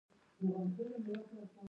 فرض کړئ پانګوال پنځه ویشت میلیونه ګټلي دي